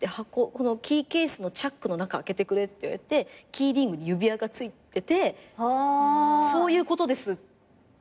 「このキーケースのチャックの中開けてくれ」って言われてキーリングに指輪がついてて「そういうことです」って言われたの。